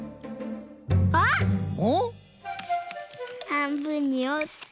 はんぶんにおって。